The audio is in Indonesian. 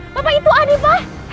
bapak itu adi pak